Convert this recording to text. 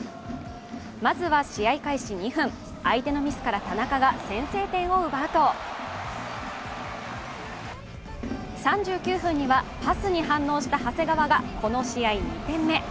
まずは、試合開始２分相手のミスから田中が先制点を奪うと、３９分にはパスに反応した長谷川が、この試合２点目。